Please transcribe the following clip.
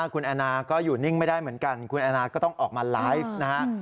คุณแอนนาก็อยู่นิ่งไม่ได้เหมือนกันคุณแอนนาก็ต้องออกมาไลฟ์นะฮะ